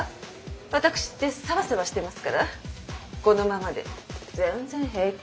ワタクシってサバサバしてますからこのままで全然平気。